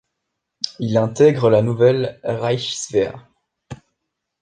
Il intègre la nouvelle Reichswehr.